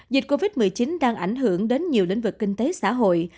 dịch covid một mươi chín đang ảnh hưởng đến nhiều lĩnh vực kinh tế xã hội